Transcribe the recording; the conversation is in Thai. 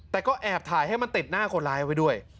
แต่ก็แอบถ่ายให้มันติดหน้าคนร้ายไว้ด้วย